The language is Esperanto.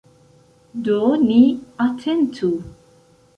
Do ni atentu.